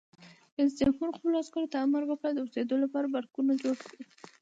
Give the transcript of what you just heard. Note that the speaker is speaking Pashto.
رئیس جمهور خپلو عسکرو ته امر وکړ؛ د اوسېدو لپاره بارکونه جوړ کړئ!